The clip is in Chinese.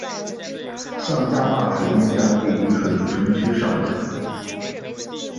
向家坝水电站位于水富城区上游。